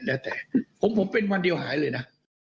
แล้วแต่ผมเป็นวันเดียวหายเลยนะ